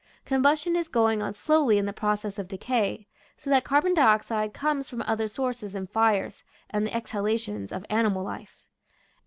Com bustion is going on slowly in the process of decay, so that carbon dioxide comes from other sources than fires and the exhalations of animal life.